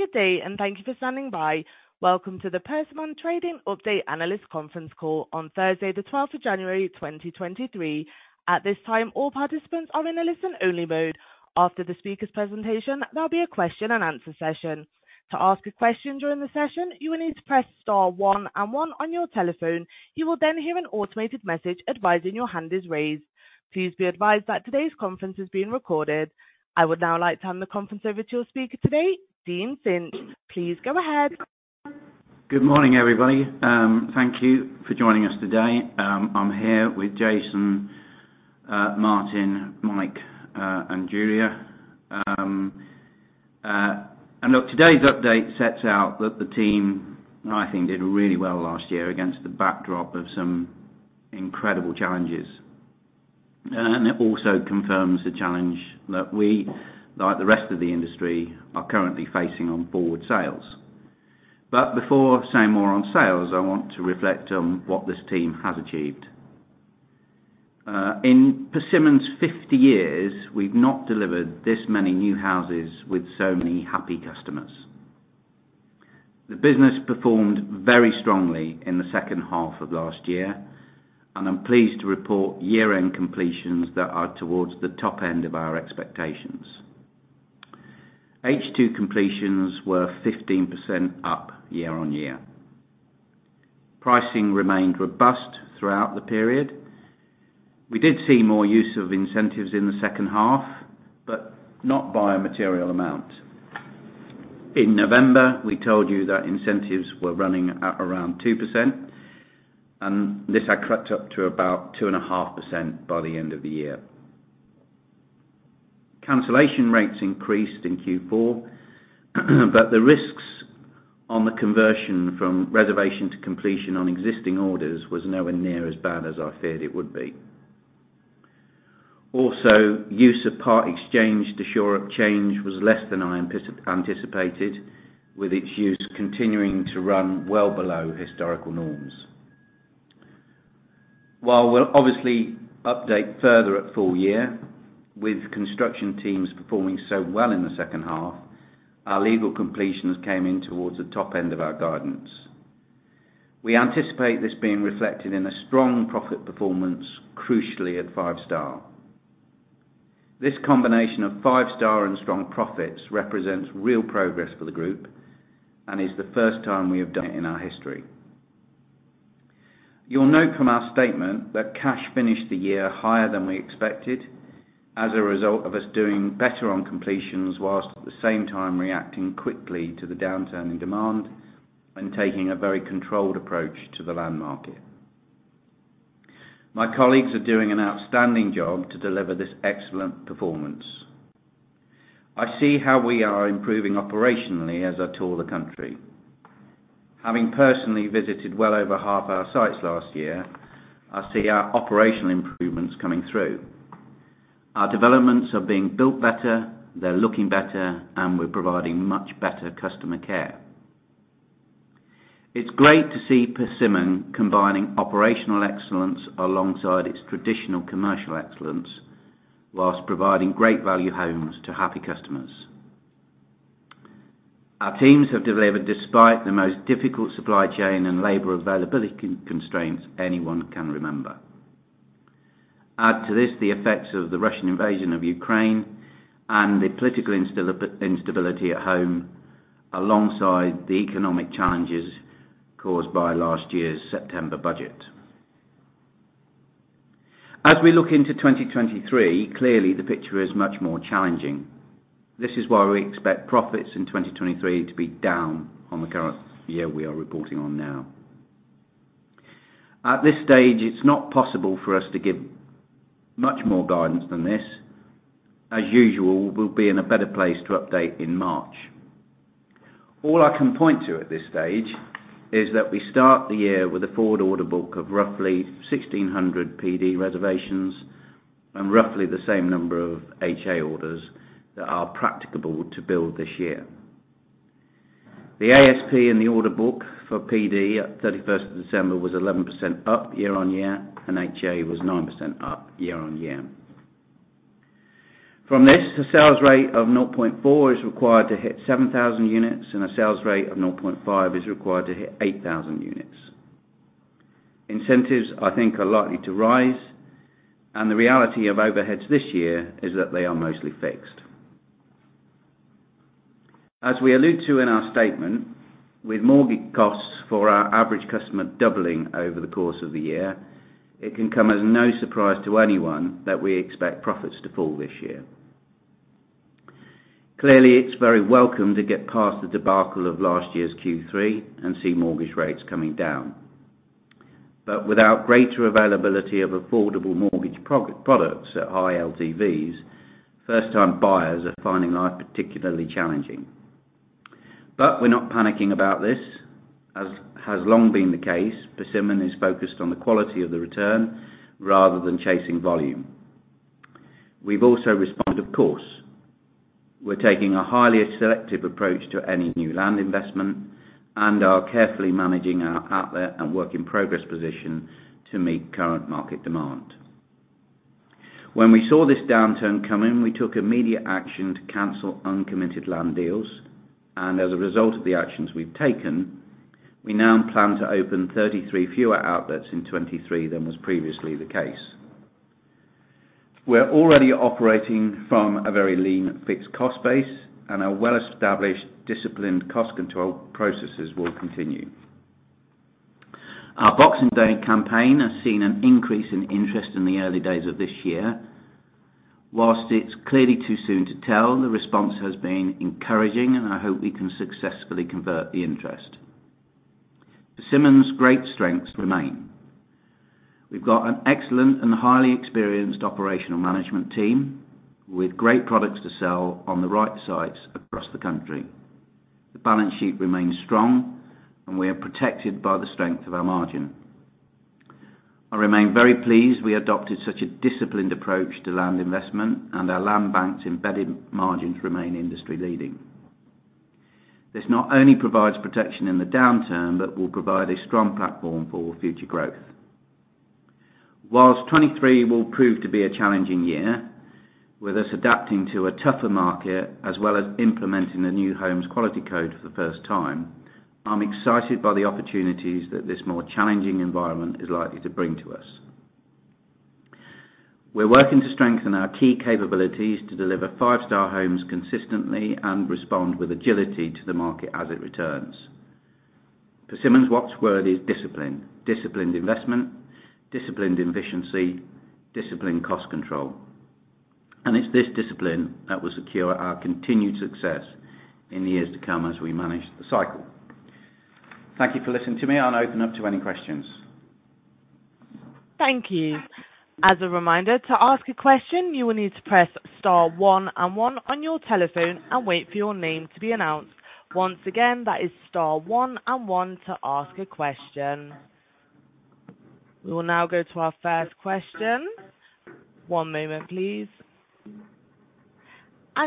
Good day and thank you for standing by. Welcome to the Persimmon Trading Update Analyst Conference Call on Thursday, the 12th of January, 2023. At this time, all participants are in a listen only mode. After the speaker's presentation, there'll be a question and answer session. To ask a question during the session, you will need to press star 1 and 1 on your telephone. You will then hear an automated message advising your hand is raised. Please be advised that today's conference is being recorded. I would now like to hand the conference over to your speaker today, Dean Finch. Please go ahead. Good morning, everybody. Thank you for joining us today. I'm here with Jason, Martin, Mike, and Julia. Look, today's update sets out that the team, I think, did really well last year against the backdrop of some incredible challenges. It also confirms the challenge that we, like the rest of the industry, are currently facing on forward sales. Before saying more on sales, I want to reflect on what this team has achieved. In Persimmon's 50 years, we've not delivered this many new houses with so many happy customers. The business performed very strongly in the H2 of last year, and I'm pleased to report year-end completions that are towards the top end of our expectations. H2 completions were 15% up year-on-year. Pricing remained robust throughout the period. We did see more use of incentives in the H2, not by a material amount. In November, we told you that incentives were running at around 2%, this had crept up to about 2.5% by the end of the year. Cancellation rates increased in Q4, the risks on the conversion from reservation to completion on existing orders was nowhere near as bad as I feared it would be. Also, use of Part Exchange to shore up change was less than I anticipated, with its use continuing to run well below historical norms. While we'll obviously update further at full year with construction teams performing so well in the H2, our legal completions came in towards the top end of our guidance. We anticipate this being reflected in a strong profit performance, crucially at five-star. This combination of five-star and strong profits represents real progress for the group and is the first time we have done it in our history. You'll note from our statement that cash finished the year higher than we expected as a result of us doing better on completions whilst at the same time reacting quickly to the downturn in demand and taking a very controlled approach to the land market. My colleagues are doing an outstanding job to deliver this excellent performance. I see how we are improving operationally as I tour the country. Having personally visited well over half our sites last year, I see our operational improvements coming through. Our developments are being built better, they're looking better, and we're providing much better customer care. It's great to see Persimmon combining operational excellence alongside its traditional commercial excellence whilst providing great value homes to happy customers. Our teams have delivered despite the most difficult supply chain and labor availability constraints anyone can remember. The effects of the Russian invasion of Ukraine and the political instability at home alongside the economic challenges caused by last year's September budget. Clearly, the picture is much more challenging. We expect profits in 2023 to be down on the current year we are reporting on now. At this stage, it's not possible for us to give much more guidance than this. We'll be in a better place to update in March. All I can point to at this stage is that we start the year with a forward order book of roughly 1,600 PD reservations and roughly the same number of HA orders that are practicable to build this year. The ASP in the order book for PD at 31st of December was 11% up year-on-year, and HA was 9% up year-on-year. From this, the sales rate of 0.4 is required to hit 7,000 units and a sales rate of 0.5 is required to hit 8,000 units. Incentives, I think, are likely to rise, and the reality of overheads this year is that they are mostly fixed. As we allude to in our statement, with mortgage costs for our average customer doubling over the course of the year, it can come as no surprise to anyone that we expect profits to fall this year. Clearly, it's very welcome to get past the debacle of last year's Q3 and see mortgage rates coming down. Without greater availability of affordable mortgage products at high LTVs, first-time buyers are finding life particularly challenging. We're not panicking about this. As has long been the case, Persimmon is focused on the quality of the return rather than chasing volume. We've also responded, of course. We're taking a highly selective approach to any new land investment and are carefully managing our outlet and work in progress position to meet current market demand. When we saw this downturn coming, we took immediate action to cancel uncommitted land deals, as a result of the actions we've taken, we now plan to open 33 fewer outlets in 2023 than was previously the case. We're already operating from a very lean, fixed cost base, and our well-established disciplined cost control processes will continue. Our Boxing Day campaign has seen an increase in interest in the early days of this year. It's clearly too soon to tell, the response has been encouraging, and I hope we can successfully convert the interest. Persimmon's great strengths remain. We've got an excellent and highly experienced operational management team with great products to sell on the right sites across the country. The balance sheet remains strong, and we are protected by the strength of our margin. I remain very pleased we adopted such a disciplined approach to land investment, and our land bank's embedded margins remain industry leading. This not only provides protection in the downturn, but will provide a strong platform for future growth. 2023 will prove to be a challenging year, with us adapting to a tougher market as well as implementing the New Homes Quality Code for the first time, I'm excited by the opportunities that this more challenging environment is likely to bring to us. We're working to strengthen our key capabilities to deliver five-star homes consistently and respond with agility to the market as it returns. Persimmon's watchword is discipline. Disciplined investment, disciplined efficiency, disciplined cost control. It's this discipline that will secure our continued success in years to come as we manage the cycle. Thank you for listening to me. I'll open up to any questions. Thank you. As a reminder, to ask a question, you will need to press star one and one on your telephone and wait for your name to be announced. Once again, that is star one and one to ask a question. We will now go to our first question. One moment, please.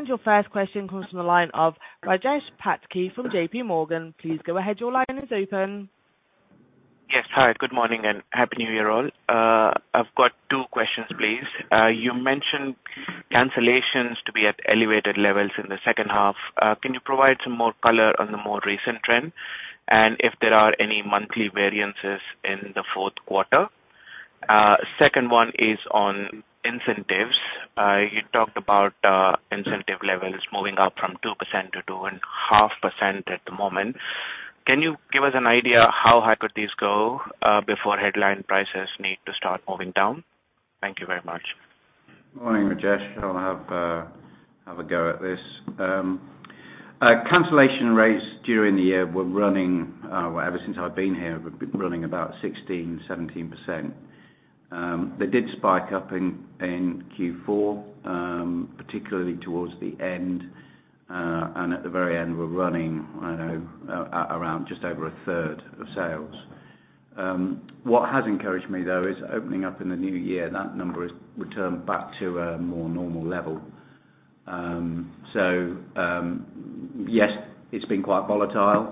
Your first question comes from the line of Rajesh Patki from J.P. Morgan. Please go ahead. Your line is open. Yes. Hi, good morning, and Happy New Year all. I've got two questions, please. You mentioned cancellations to be at elevated levels in the H2. Can you provide some more color on the more recent trend, and if there are any monthly variances in the fourth quarter? Second one is on incentives. You talked about incentive levels moving up from 2% to 2.5% at the moment. Can you give us an idea how high could these go before headline prices need to start moving down? Thank you very much. Morning, Rajesh. I'll have a go at this. Cancellation rates during the year were running, well, ever since I've been here, have been running about 16%, 17%. They did spike up in Q4, particularly towards the end. At the very end were running, I don't know, around just over a third of sales. What has encouraged me though is opening up in the new year, that number has returned back to a more normal level. Yes, it's been quite volatile.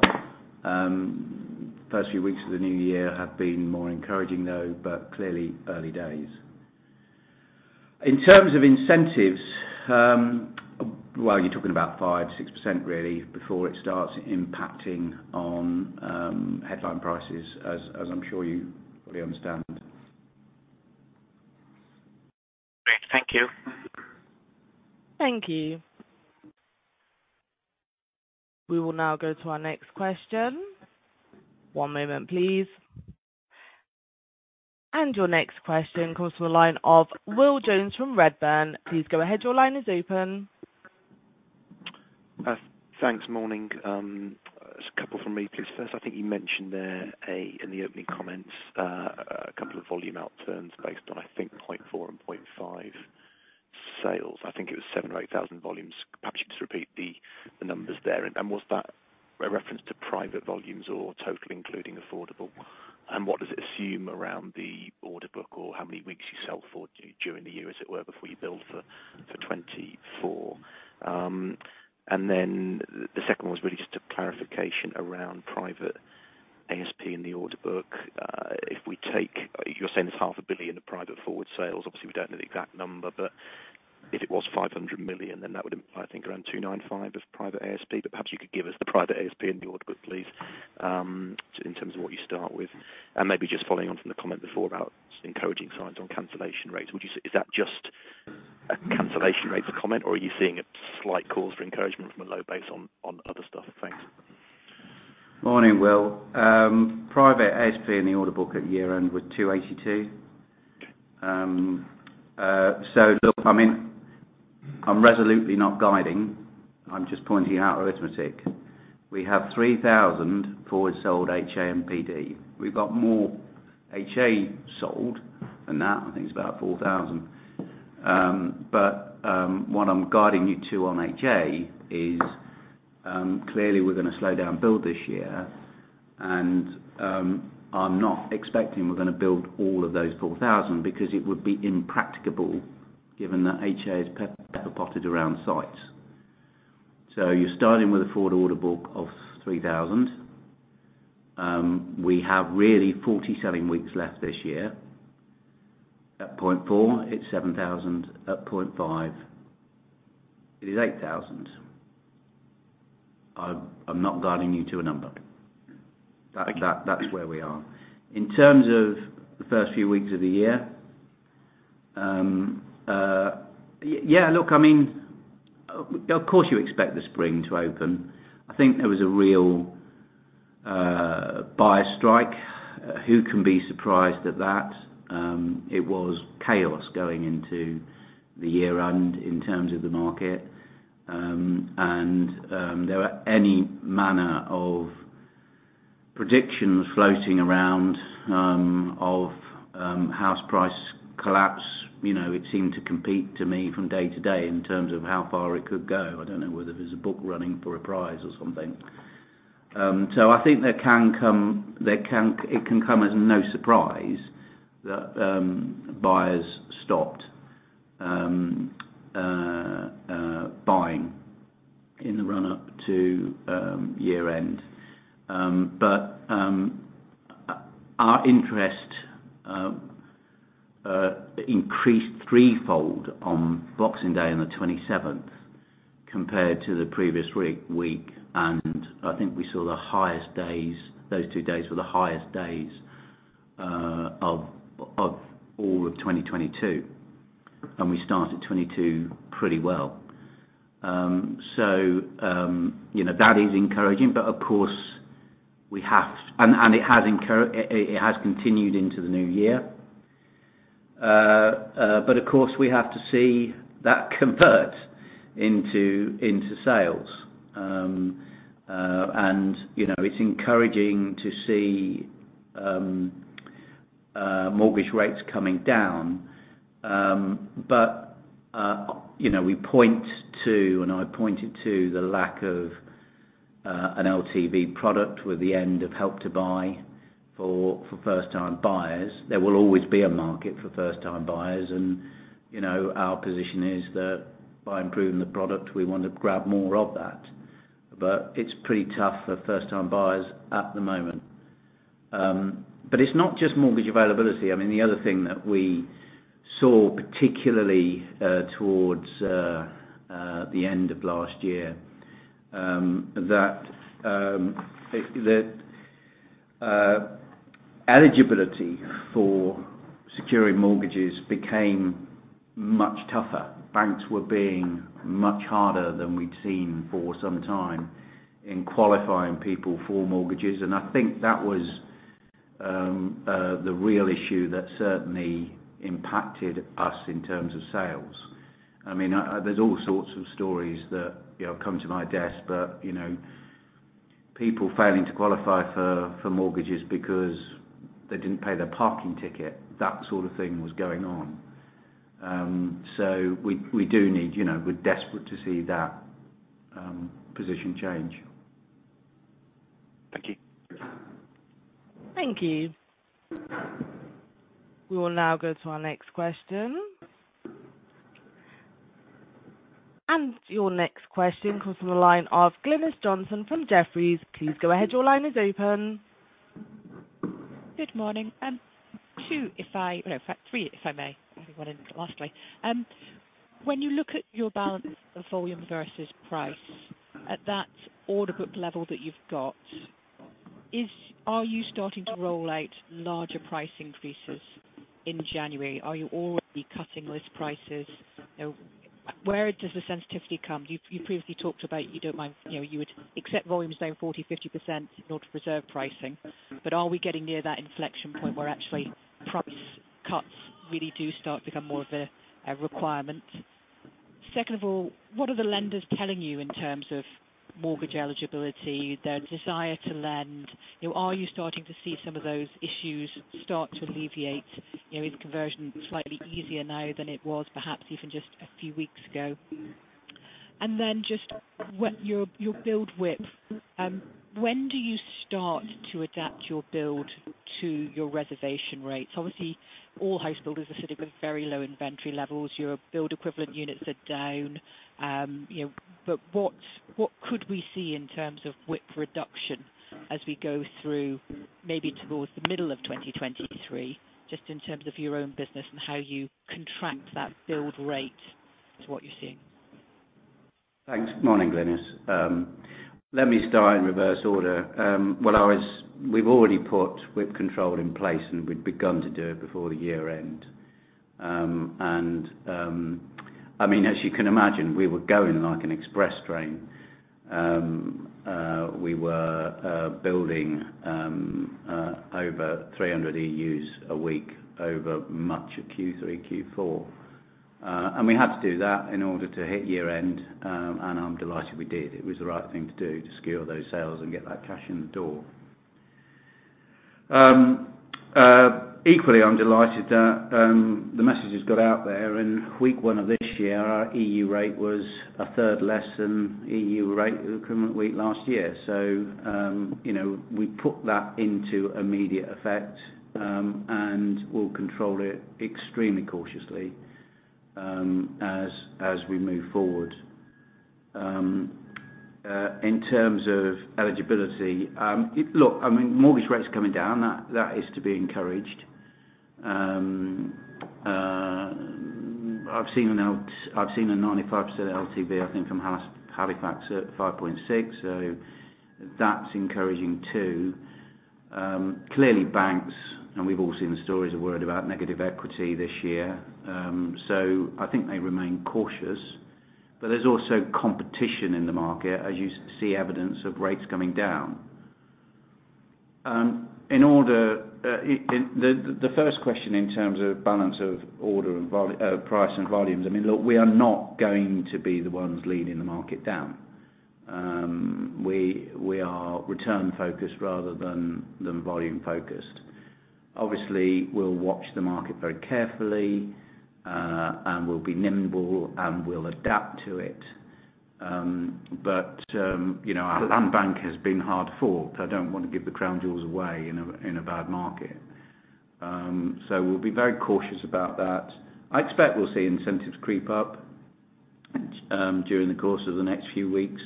First few weeks of the new year have been more encouraging though, but clearly early days. In terms of incentives, well, you're talking about 5%, 6% really before it starts impacting on headline prices as I'm sure you probably understand. Great. Thank you. Thank you. We will now go to our next question. One moment, please. Your next question comes from the line of Will Jones from Redburn. Please go ahead. Your line is open. Thanks. Morning. Just a couple from me, please. First, I think you mentioned there in the opening comments, a couple of volume out turns based on, I think, 0.4 and 0.5 sales. I think it was 7,000 or 8,000 volumes. Perhaps you could repeat the numbers there? Was that a reference to private volumes or total including affordable? What does it assume around the order book? How many weeks you sell forward during the year, as it were, before you build for 2024? The second one's really just a clarification around private ASP in the order book. If we take, you're saying it's half a billion of private forward sales. Obviously, we don't know the exact number, but if it was 500 million, then that would imply, I think, around 295 of private ASP. Perhaps you could give us the private ASP in the order book, please, in terms of what you start with. Maybe just following on from the comment before about encouraging signs on cancellation rates. Is that just a cancellation rates comment, or are you seeing a slight cause for encouragement from a low base on other stuff? Thanks. Morning, Will. Private ASP in the order book at year-end was 282. Okay. look, I mean, I'm resolutely not guiding. I'm just pointing out arithmetic. We have 3,000 forward sold HA and PD. We've got more HA sold than that. I think it's about 4,000. what I'm guiding you to on HA is-clearly we're gonna slow down build this year, and, I'm not expecting we're gonna build all of those 4,000 because it would be impracticable given that HA is pepper-potted around sites. You're starting with a forward order book of 3,000. We have really 40 selling weeks left this year. At 0.4, it's 7,000. At 0.5, it is 8,000. I'm not guiding you to a number. Thank you. That's where we are. In terms of the first few weeks of the year, yeah, look, I mean, of course, you expect the spring to open. I think there was a real buyer strike. Who can be surprised at that? It was chaos going into the year-end in terms of the market. There were any manner of predictions floating around of house price collapse. , it seemed to compete to me from day-to-day in terms of how far it could go. I don't know whether it was a book running for a prize or something. I think it can come as no surprise that buyers stopped buying in the run-up to year-end. Our interest increased threefold on Boxing Day on the 27th compared to the previous week. I think we saw the highest days. Those two days were the highest days of all of 2022. We started 2022 pretty well., that is encouraging. It has continued into the new year. Of course, we have to see that convert into sales., it's encouraging to see mortgage rates coming down., we point to, I pointed to the lack of an LTV product with the end of Help to Buy for first-time buyers. There will always be a market for first-time buyers., our position is that by improving the product, we want to grab more of that. It's pretty tough for first-time buyers at the moment. It's not just mortgage availability. I mean, the other thing that we saw, particularly towards the end of last year, that eligibility for securing mortgages became much tougher. Banks were being much harder than we'd seen for some time in qualifying people for mortgages, and I think that was the real issue that certainly impacted us in terms of sales. I mean, there's all sorts of stories that come to my desk., people failing to qualify for mortgages because they didn't pay their parking ticket, that sort of thing was going on. We do need we're desperate to see that position change. Thank you. We will now go to our next question. Your next question comes from the line of Glynis Johnson from Jefferies. Please go ahead. Your line is open. Good morning. Two, in fact, three, if I may. I have one in lastly. When you look at your balance of volume versus price, at that order book level that you've got, are you starting to roll out larger price increases in January? Are you already cutting list prices?, where does the sensitivity come? You've previously talked about you don't mind you would accept volumes down 40, 50% in order to preserve pricing. Are we getting near that inflection point where actually price cuts really do start to become more of a requirement? Second of all, what are the lenders telling you in terms of mortgage eligibility, their desire to lend?, are you starting to see some of those issues start to alleviate?, is conversion slightly easier now than it was perhaps even just a few weeks ago? Just what your build width, when do you start to adapt your build to your reservation rates? Obviously, all house builders are sitting with very low inventory levels. Your build equivalent units are down., but what could we see in terms of width reduction as we go through maybe towards the middle of 2023, just in terms of your own business and how you contract that build rate to what you're seeing? Thanks. Morning, Glynis. Let me start in reverse order. We've already put width control in place, and we'd begun to do it before the year-end. I mean, as you can imagine, we were going like an express train. We were building over 300 EUs a week over much of Q3, Q4. We had to do that in order to hit year-end, and I'm delighted we did. It was the right thing to do to secure those sales and get that cash in the door. Equally, I'm delighted that the message has got out there. In week one of this year, our EU rate was a third less than EU rate the current week last year. We put that into immediate effect, and we'll control it extremely cautiously as we move forward. In terms of eligibility, look, I mean, mortgage rates are coming down. That is to be encouraged. I've seen a 95% LTV, I think, from Halifax at 5.6. That's encouraging too. Clearly, banks, and we've all seen the stories are worried about negative equity this year. I think they remain cautious, but there's also competition in the market as you see evidence of rates coming down. In order, the first question in terms of balance of order and price and volumes, I mean, look, we are not going to be the ones leading the market down. We are return focused rather than volume focused. Obviously, we'll watch the market very carefully, and we'll be nimble, and we'll adapt to it., our land bank has been hard fought. I don't want to give the crown jewels away in a bad market. We'll be very cautious about that. I expect we'll see incentives creep up during the course of the next few weeks,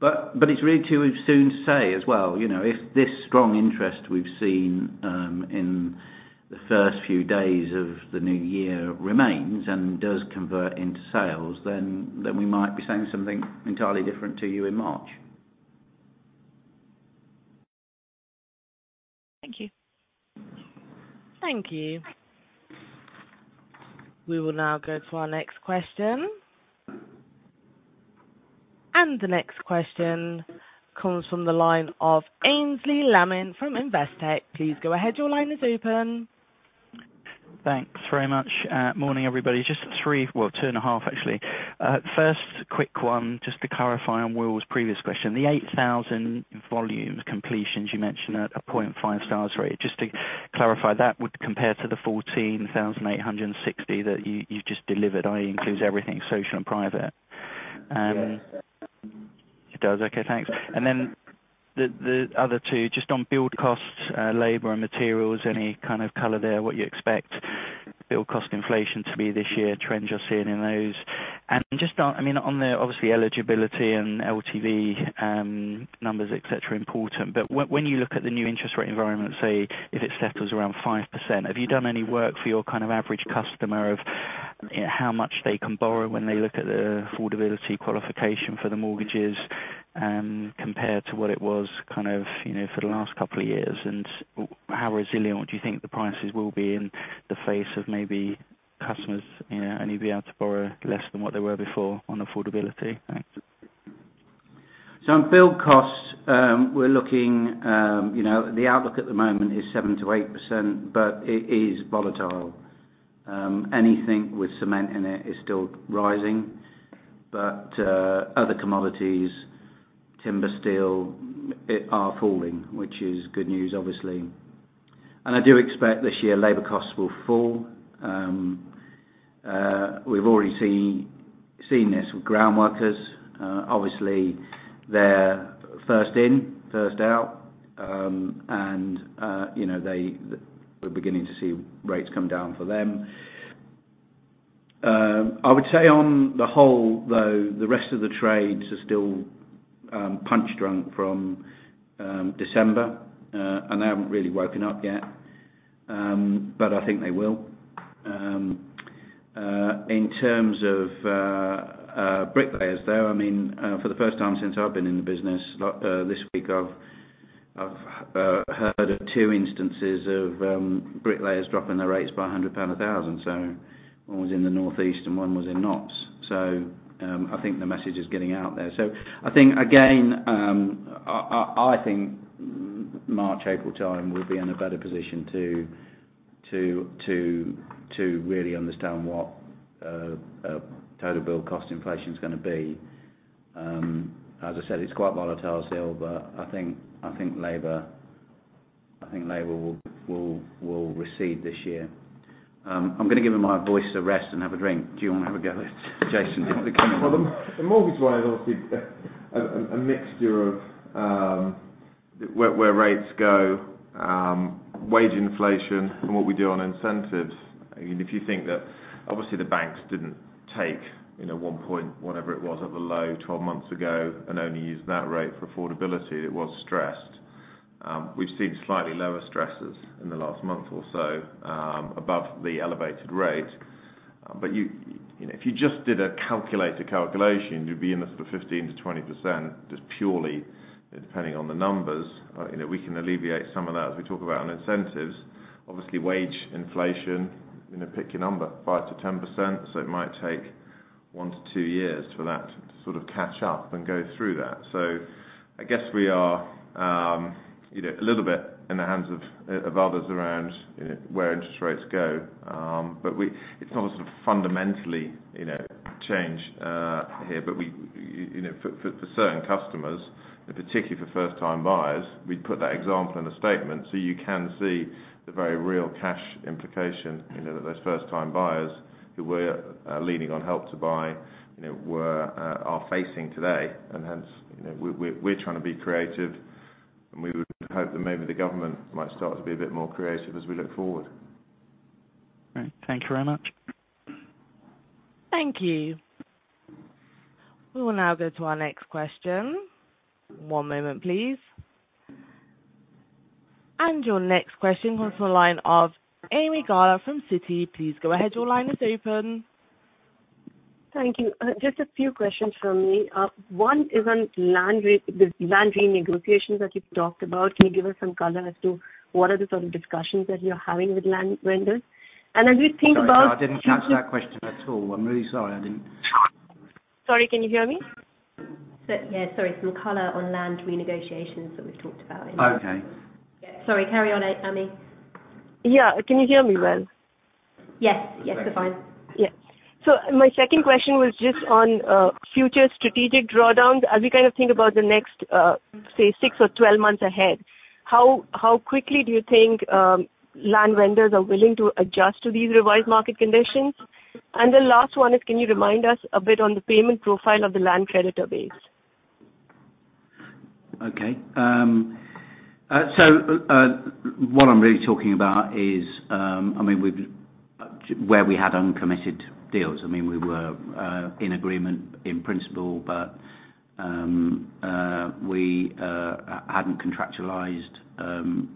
but it's really too soon to say as well., if this strong interest we've seen in the first few days of the new year remains and does convert into sales, then we might be saying something entirely different to you in March. Thank you. Thank you. We will now go to our next question. The next question comes from the line of Aynsley Lammin from Investec. Please go ahead. Your line is open. Thanks very much. Morning, everybody. Just three, well, two and a half, actually. First quick one, just to clarify on Will's previous question, the 8,000 volumes completions you mentioned at a 0.5 stars rate. Just to clarify, that would compare to the 14,860 that you've just delivered, i.e. includes everything social and private. Yes. It does. Okay, thanks. The other two, just on build costs, labor and materials, any kind of color there, what you expect build cost inflation to be this year, trends you're seeing in those. Just on, I mean, on the obviously eligibility and LTV numbers, et cetera, important. When you look at the new interest rate environment, say if it settles around 5%, have you done any work for your kind of average customer of how much they can borrow when they look at the affordability qualification for the mortgages, compared to what it was kind of for the last couple of years? How resilient do you think the prices will be in the face of maybe customers only be able to borrow less than what they were before on affordability? Thanks. On build costs, we're looking the outlook at the moment is 7%-8%, but it is volatile. Anything with cement in it is still rising. Other commodities, timber, steel, are falling, which is good news, obviously. I do expect this year labor costs will fall. We've already seen this with groundworkers. Obviously, they're first in, first out., we're beginning to see rates come down for them. I would say on the whole, though, the rest of the trades are still punch drunk from December, and they haven't really woken up yet. I think they will. In terms of bricklayers, though, I mean, for the first time since I've been in the business, this week, I've heard of 2 instances of bricklayers dropping their rates by 100 pound a 1,000. One was in the Northeast and one was in Knowsley. I think the message is getting out there. I think again, I think March, April time we'll be in a better position to really understand what total build cost inflation is gonna be. As I said, it's quite volatile still, but I think labor will recede this year. I'm gonna give my voice a rest and have a drink. Do you wanna have a go Jason? Do you want the camera? Well, the mortgage one is obviously a mixture of where rates go, wage inflation and what we do on incentives. If you think that obviously the banks didn't take one point whatever it was at the low 12 months ago and only use that rate for affordability, it was stressed. We've seen slightly lower stresses in the last month or so, above the elevated rate., if you just did a calculator calculation, you'd be in the sort of 15%-20%, just purely depending on the numbers., we can alleviate some of that as we talk about on incentives. Obviously, wage inflation in a pick your number, 5%-10%, so it might take one-two years for that to sort of catch up and go through that. I guess we are a little bit in the hands of others around where interest rates go. It's not a sort of fundamentally change here, but we for certain customers. Particularly for first time buyers. We put that example in the statement so you can see the very real cash implication that those first time buyers who were leaning on Help to buy are facing today. hence we're trying to be creative, and we would hope that maybe the government might start to be a bit more creative as we look forward. Right. Thank you very much. Thank you. We will now go to our next question. One moment, please. Your next question comes from the line of Ami Galla from Citi. Please go ahead, your line is open. Thank you. Just a few questions from me. One is on the land renegotiations that you've talked about. Can you give us some color as to what are the sort of discussions that you're having with land vendors? Sorry, I didn't catch that question at all. I'm really sorry, I didn't. Sorry, can you hear me? Sorry. Some color on land renegotiations that we've talked about. Okay. Sorry, carry on Ami. Yeah. Can you hear me well? Yes. Yes, you're fine. Yeah. My second question was just on future strategic drawdowns. As we kind of think about the next, say, six or 12 months ahead, how quickly do you think land vendors are willing to adjust to these revised market conditions? The last one is, can you remind us a bit on the payment profile of the land creditor base? Okay. What I'm really talking about is, I mean, where we had uncommitted deals. I mean, we were in agreement in principle, but we hadn't contractualized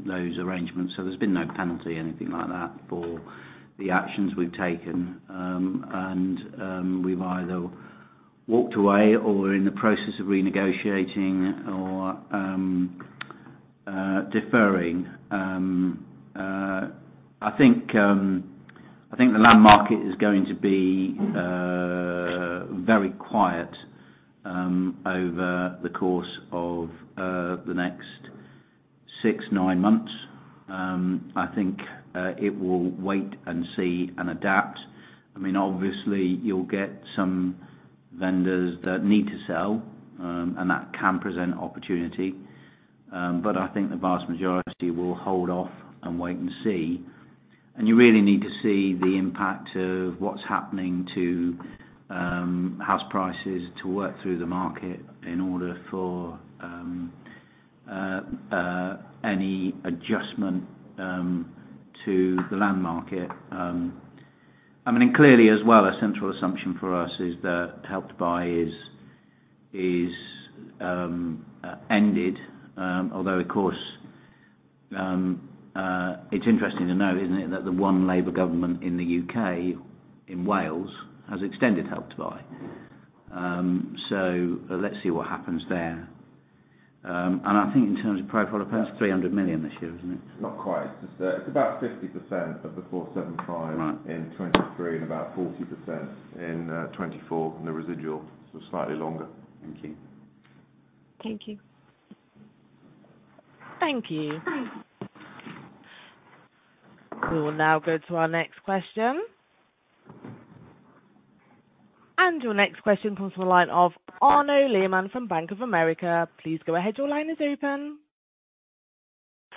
those arrangements, so there's been no penalty or anything like that for the actions we've taken. We've either walked away or we're in the process of renegotiating or deferring. I think the land market is going to be very quiet over the course of the next six, nine months. I think it will wait and see and adapt. I mean, obviously you'll get some vendors that need to sell, and that can present opportunity. I think the vast majority will hold off and wait and see. You really need to see the impact of what's happening to house prices to work through the market in order for any adjustment to the land market. Clearly as well, a central assumption for us is that Help to Buy is ended. Although of course, it's interesting to note, isn't it, that the one Labour government in the U.K., in Wales, has extended Help to Buy. Let's see what happens there. I think in terms of profile, about 300 million this year, isn't it? Not quite. It's just, it's about 50% of the 475- Right. in 2023 and about 40% in 2024. The residual, so slightly longer. Thank you. Thank you. Thank you. We will now go to our next question. Your next question comes from the line of Arnaud Lehmann from Bank of America. Please go ahead. Your line is open.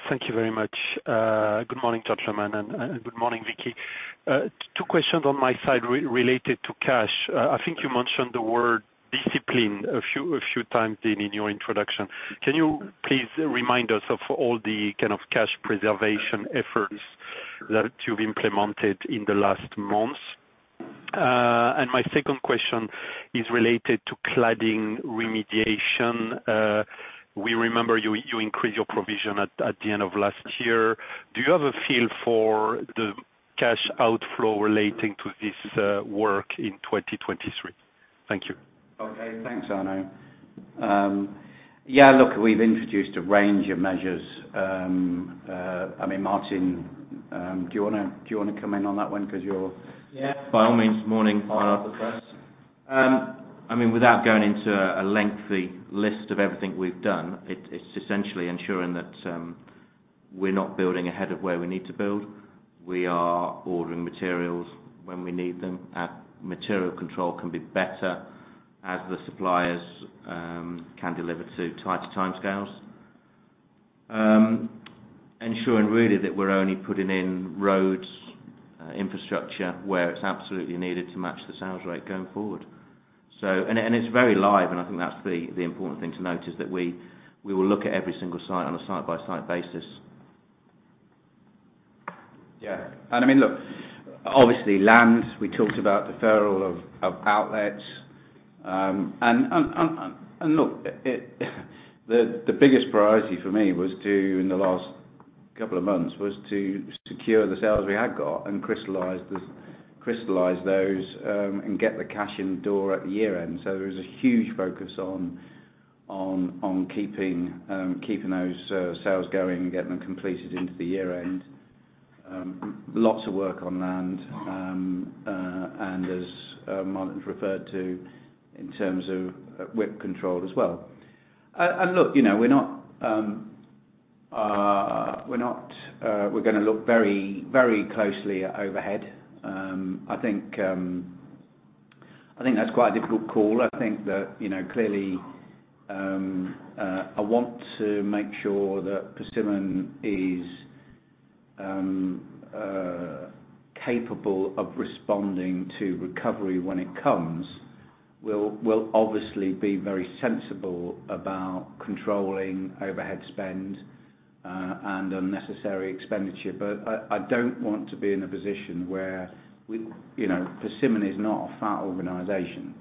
Thank you very much. Good morning, gentlemen, and good morning, Vicky. Two questions on my side related to cash. I think you mentioned the word discipline a few times, Dean, in your introduction. Can you please remind us of all the kind of cash preservation efforts that you've implemented in the last months? My second question is related to cladding remediation. We remember you increased your provision at the end of last year. Do you have a feel for the cash outflow relating to this work in 2023? Thank you. Okay. Thanks, Arnaud. Yeah, look, we've introduced a range of measures. I mean, Martin, do you wanna come in on that one because. Yeah. By all means. Morning, Arno. I mean, without going into a lengthy list of everything we've done, it's essentially ensuring that we're not building ahead of where we need to build. We are ordering materials when we need them. Our material control can be better as the suppliers can deliver to tighter timescales. Ensuring really that we're only putting in roads, infrastructure, where it's absolutely needed to match the sales rate going forward. It's very live, and I think that's the important thing to note is that we will look at every single site on a site-by-site basis. I mean, look, obviously land, we talked about deferral of outlets. And look, the biggest priority for me was to, in the last couple of months, was to secure the sales we had got and crystallize those and get the cash in the door at the year end. There was a huge focus on keeping those sales going and getting them completed into the year end. Lots of work on land. As Martin's referred to in terms of WIP control as well. look we're not, we're gonna look very, very closely at overhead. I think that's quite a difficult call. I think that clearly, I want to make sure that Persimmon is capable of responding to recovery when it comes. We'll obviously be very sensible about controlling overhead spend and unnecessary expenditure. I don't want to be in a position., Persimmon is not a fat organization.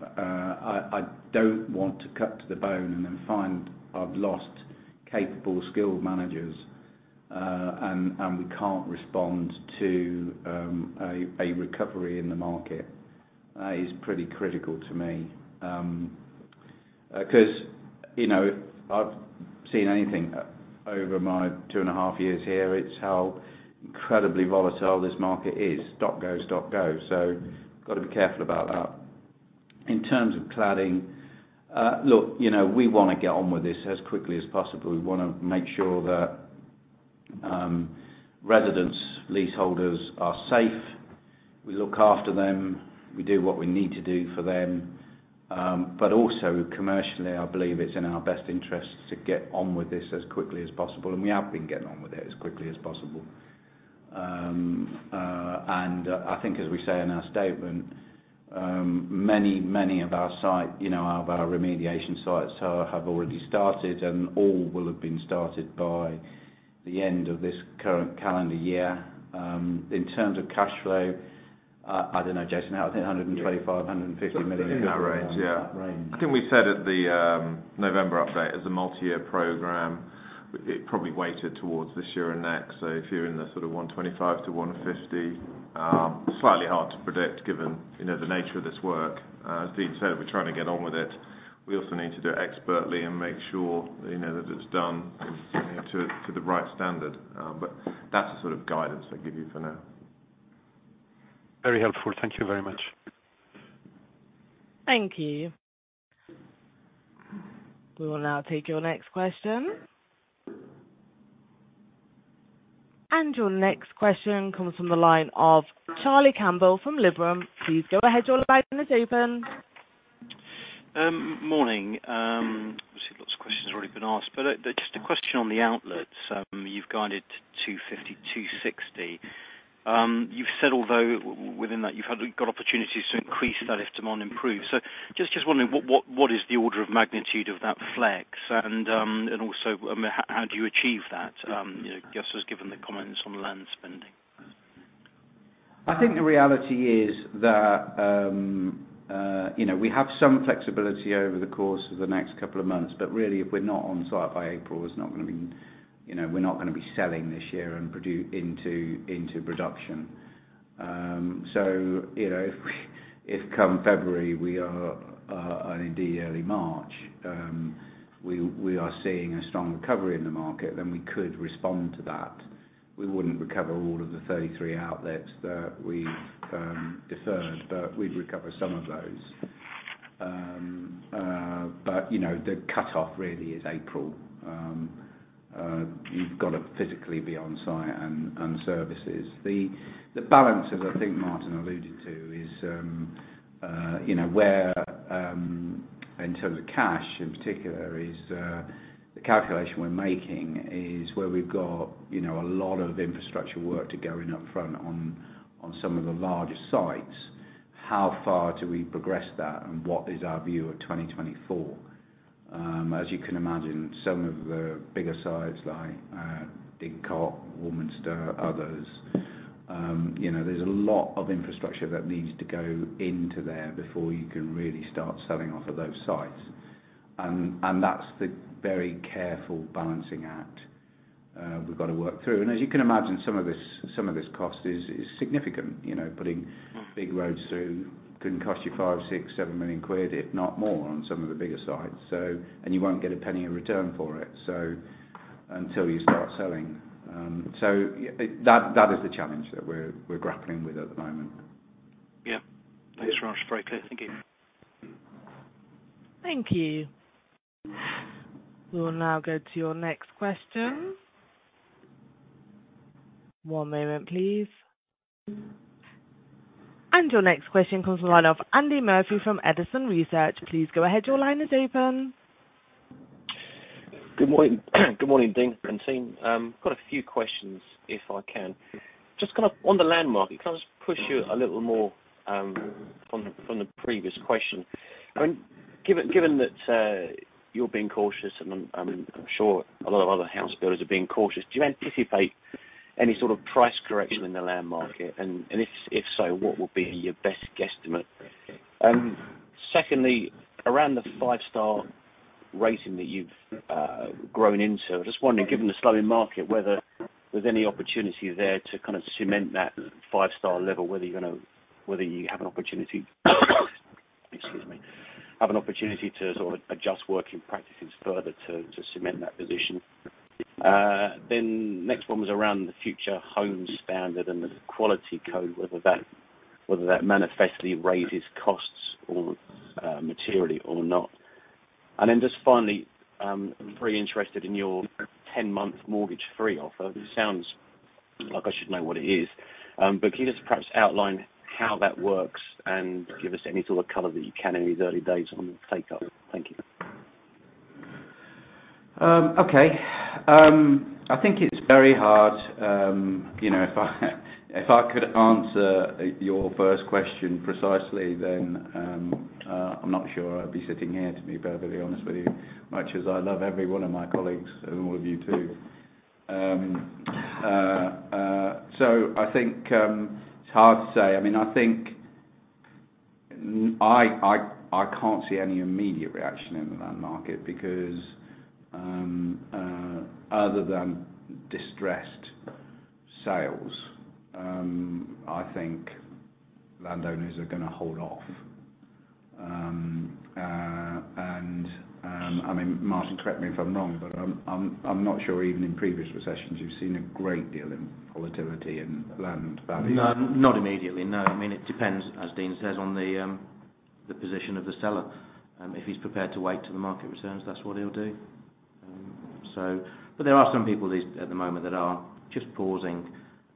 I don't want to cut to the bone and then find I've lost capable, skilled managers and we can't respond to a recovery in the market. That is pretty critical to me., I've seen anything over my two and a half years here. It's how incredibly volatile this market is. Stop, go, stop, go. Gotta be careful about that. In terms of cladding, look we wanna get on with this as quickly as possible. We want to make sure that residents, leaseholders are safe. We look after them. We do what we need to do for them. Also commercially, I believe it's in our best interest to get on with this as quickly as possible, and we have been getting on with it as quickly as possible. I think as we say in our statement, many of our site of our remediation sites have already started, and all will have been started by the end of this current calendar year. In terms of cash flow, I don't know, Jason, how... I think 125 million-150 million. In that range. Yeah. That range. I think we said at the November update as a multi-year program, it probably weighted towards this year and next. If you're in the sort of 125 to 150, slightly hard to predict given the nature of this work. As Dean said, we're trying to get on with it. We also need to do it expertly and make sure that it's done to the right standard. That's the sort of guidance I'd give you for now. Very helpful. Thank you very much. Thank you. We will now take your next question. Your next question comes from the line of Charlie Campbell from Liberum. Please go ahead. Your line is open. Morning. I see lots of questions already been asked, but, just a question on the outlets. You've guided 250, 260. You've said although within that you've got opportunities to increase that if demand improves. Just wondering what, what is the order of magnitude of that flex? Also, I mean, how do you achieve that? Just as given the comments on land spending. I think the reality is that we have some flexibility over the course of the next couple of months, but really if we're not on site by April, there's not gonna be... , we're not gonna be selling this year and into production., if we if come February, we are, and indeed early March, we are seeing a strong recovery in the market, then we could respond to that. We wouldn't recover all of the 33 outlets that we've deferred, but we'd recover some of those., the cutoff really is April. You've gotta physically be on site and services. The balance as I think Martin alluded to is where, in terms of cash in particular is, the calculation we're making is where we've got a lot of infrastructure work to go in upfront on some of the larger sites. How far do we progress that and what is our view of 2024? As you can imagine, some of the bigger sites like Didcot, Ormiston, others there's a lot of infrastructure that needs to go into there before you can really start selling off of those sites. That's the very careful balancing act, we've gotta work through. As you can imagine, some of this cost is significant., putting big roads through can cost you 5 million quid, 6 million, 7 million quid, if not more, on some of the bigger sites. You won't get a penny in return for it, so, until you start selling. That is the challenge that we're grappling with at the moment. Yeah. Thanks, Raj. Very clear. Thank you. Thank you. We will now go to your next question. One moment, please. Your next question comes from the line of Andy Murphy from Edison Group. Please go ahead. Your line is open. Good morning. Good morning, Dean and team. Got a few questions, if I can. Just kind of on the landmark, can I just push you a little more from the previous question? I mean, given that you're being cautious and I'm sure a lot of other house builders are being cautious, do you anticipate any sort of price correction in the land market? If so, what would be your best guesstimate? Secondly, around the five-star rating that you've grown into, I'm just wondering, given the slowing market, whether there's any opportunity there to kind of cement that five-star level, whether you have an opportunity excuse me. Have an opportunity to sort of adjust working practices further to cement that position. Next one was around the Future Homes Standard and the Quality Code, whether that, whether that manifestly raises costs or, materially or not. Just finally, I'm pretty interested in your 10 month mortgage free offer. It sounds like I should know what it is. Can you just perhaps outline how that works and give us any sort of color that you can in these early days on the take up? Thank you. Okay. I think it's very hard., if I, if I could answer your first question precisely, then, I'm not sure I'd be sitting here, to be perfectly honest with you, much as I love every one of my colleagues and all of you too. I think it's hard to say. I mean, I think I can't see any immediate reaction in the land market because, other than distressed sales, I think landowners are gonna hold off. I mean, Martin, correct me if I'm wrong, but I'm not sure even in previous recessions, you've seen a great deal in volatility in land value. No, not immediately, no. I mean, it depends, as Dean says, on the position of the seller. If he's prepared to wait till the market returns, that's what he'll do. There are some people at the moment that are just pausing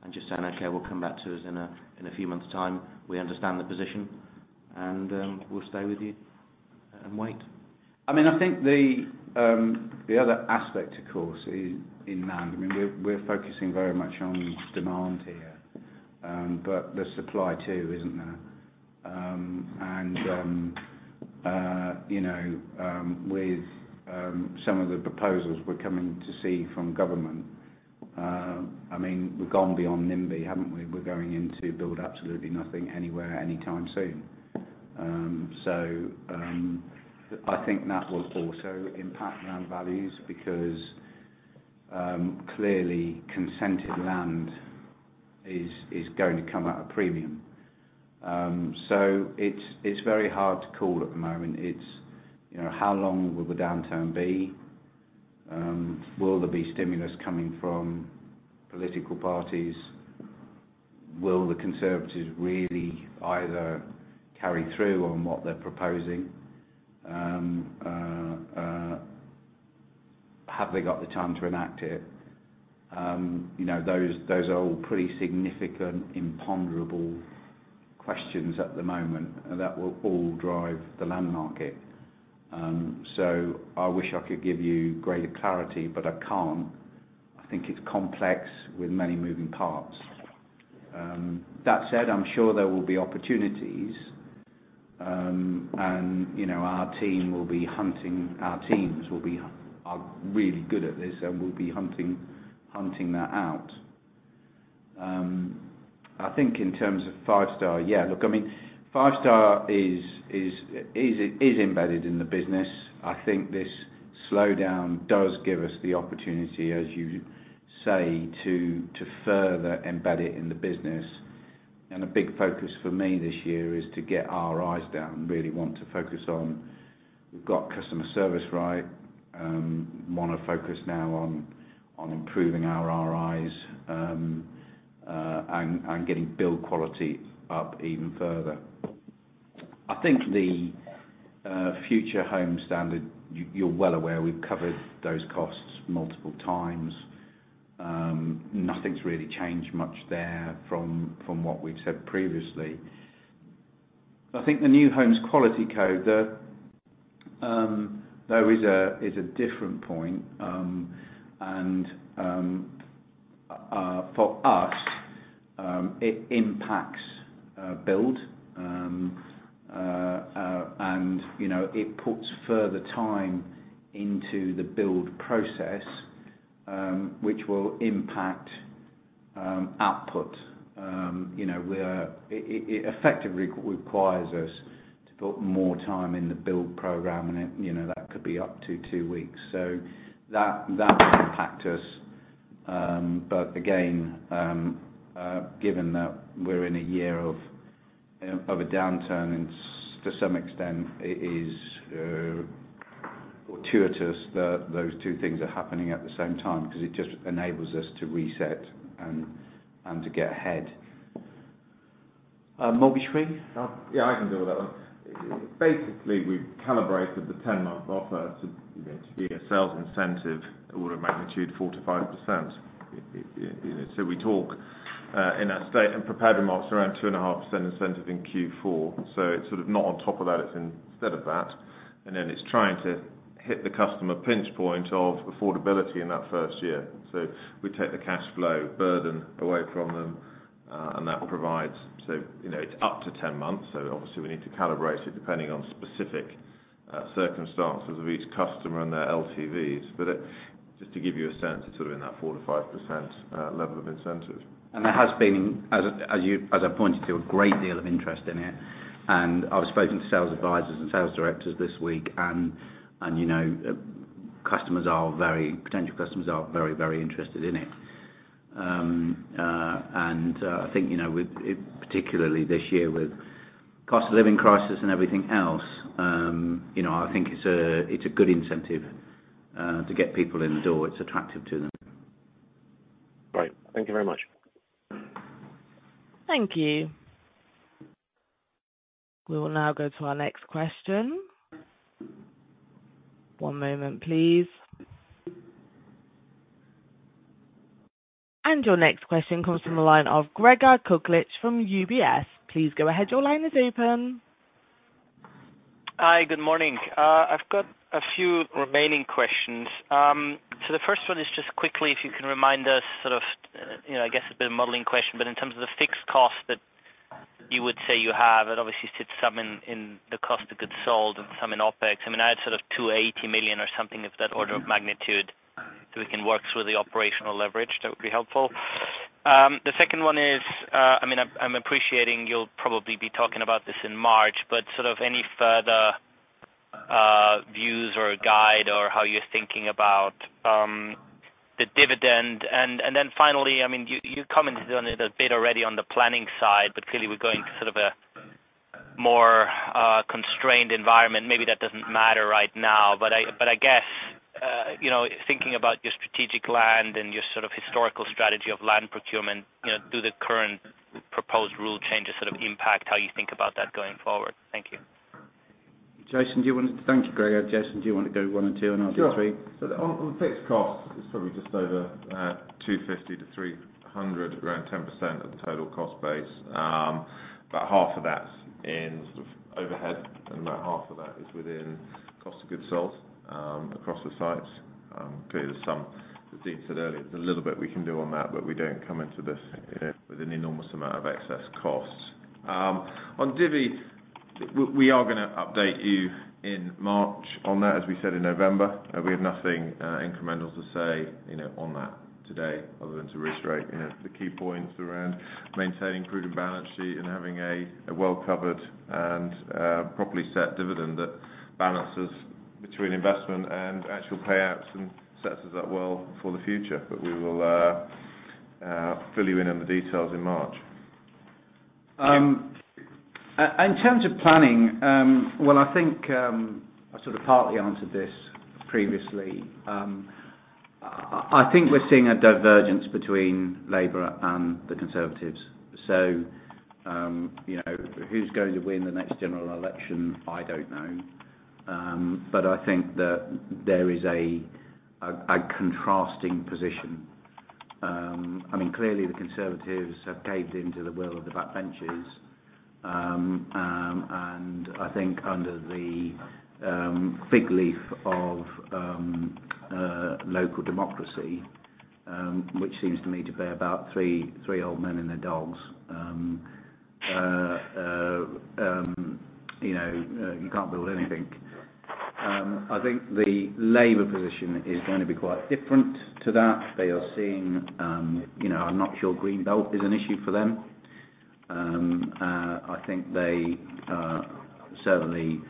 and just saying, "Okay, well, come back to us in a few months' time. We understand the position, and we'll stay with you and wait." I mean, I think the other aspect, of course, is in land, I mean, we're focusing very much on demand here, but there's supply too, isn't there?, with some of the proposals we're coming to see from government, I mean, we've gone beyond NIMBY, haven't we? We're going into build absolutely nothing anywhere, anytime soon. I think that will also impact land values because, clearly, consented land is going to come at a premium. It's very hard to call at the moment. , how long will the downturn be? Will there be stimulus coming from political parties? Will the Conservatives really either carry through on what they're proposing? Have they got the time to enact it?, those are all pretty significant imponderable questions at the moment, that will all drive the land market. I wish I could give you greater clarity, I can't. I think it's complex with many moving parts. That said, I'm sure there will be opportunities our team will be hunting. Our teams are really good at this, we'll be hunting that out. I think in terms of Five Star, yeah. Look, I mean, Five Star is embedded in the business. I think this slowdown does give us the opportunity, as you say, to further embed it in the business. A big focus for me this year is to get our eyes down. Really want to focus on, we've got customer service right, wanna focus now on improving our RIs and getting build quality up even further. I think the Future Homes Standard, you're well aware we've covered those costs multiple times. Nothing's really changed much there from what we've said previously. I think the New Homes Quality Code, though, is a different point. For us, it impacts build. , it puts further time into the build process, which will impact output., we're... It effectively re-requires us to put more time in the build program and it that could be up to two weeks. That will impact us. Again, given that we're in a year of a downturn and to some extent, it is fortuitous that those two things are happening at the same time because it just enables us to reset and to get ahead. Mortgage-free? Yeah, I can deal with that one. Basically, we've calibrated the 10-month Offer to to be a sales incentive of order of magnitude 4%-5%., we talk in our state and prepared remarks around 2.5% incentive in Q4. It's sort of not on top of that, it's instead of that. Then it's trying to hit the customer pinch point of affordability in that first year. We take the cash flow burden away from them, and that will provide..., it's up to 10 months. Obviously, we need to calibrate it depending on specific circumstances of each customer and their LTVs. Just to give you a sense, it's sort of in that 4%-5% level of incentives. There has been, as you, as I pointed to, a great deal of interest in it. I was speaking to sales advisors and sales directors this week, and, potential customers are very, very interested in it. I think with it, particularly this year with cost of living crisis and everything else I think it's a good incentive to get people in the door. It's attractive to them. Great. Thank you very much. Thank you. We will now go to our next question. One moment, please. Your next question comes from the line of Gregor Kuglitsch from UBS. Please go ahead. Your line is open. Hi, good morning. I've got a few remaining questions. The first one is just quickly if you can remind us, sort of I guess a bit of a modeling question, but in terms of the fixed cost that you would say you have, and obviously sit some in the cost of goods sold and some in OpEx. I mean, I had sort of 280 million or something of that order of magnitude. We can work through the operational leverage. That would be helpful. The second one is, I mean, I'm appreciating you'll probably be talking about this in March, but sort of any further views or guide or how you're thinking about the dividend. Finally, I mean, you commented on it a bit already on the planning side, but clearly we're going to sort of a more constrained environment. Maybe that doesn't matter right now, but I guess thinking about your strategic land and your sort of historical strategy of land procurement do the current proposed rule changes sort of impact how you think about that going forward? Thank you. Thank you, Gregor. Jason, do you wanna go 1 and 2, and I'll do 3? Sure. On fixed costs, it's probably just over 250-300, around 10% of the total cost base. About half of that's in sort of overhead, and about half of that is within cost of goods sold across the sites. Clearly there's some, as Dean said earlier, there's a little bit we can do on that, but we don't come into this with an enormous amount of excess costs. On divvy, we are gonna update you in March on that, as we said in November. We have nothing incremental to say on that today other than to reiterate the key points around maintaining prudent balance sheet and having a well-covered and properly set dividend that balances between investment and actual payouts and sets us up well for the future. We will fill you in on the details in March. In terms of planning, well, I think I sort of partly answered this previously. I think we're seeing a divergence between Labour and the Conservatives., who's going to win the next general election? I don't know. I think that there is a contrasting position. I mean, clearly the Conservatives have caved into the will of the back benches. I think under the fig leaf of local democracy, which seems to me to be about three old men and their dogs you can't build anything. I think the Labour position is going to be quite different to that. They are seeing I'm not sure Green Belt is an issue for them. I think they, certainly